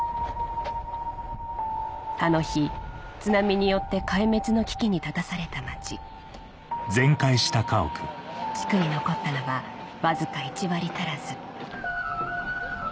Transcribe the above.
あの日津波によって壊滅の危機に立たされた町地区に残ったのはわずか１割足らず